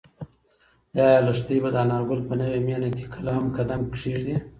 ایا لښتې به د انارګل په نوې مېنه کې کله هم قدم کېږدي؟